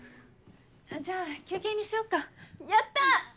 じゃあ休憩にしよっかやった！